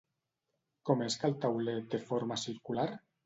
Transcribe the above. Com és que el tauler té forma circular?